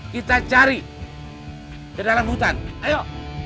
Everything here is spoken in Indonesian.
kita cari di dalam hutan ayo